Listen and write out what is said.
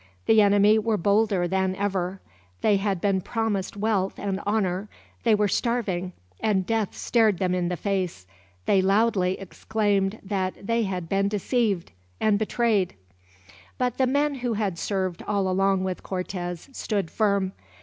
The enemy were bolder than ever. They had been promised wealth and honor they were starving, and death stared them in the face. They loudly exclaimed that they had been deceived, and betrayed. But the men who had served all along with Cortez stood firm.